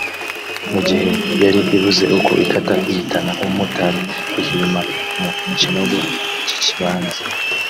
mu gihe yari ibuze uko ikata ihitana umumotari ihirima mu kinogo cy’ikibanza